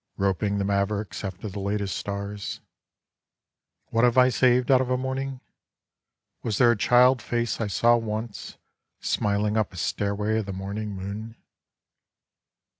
Roping the mavericks after the latest stars. What have I saved out of a morning? Was there a child face I saw once Smiling up a stairway of the morning moon?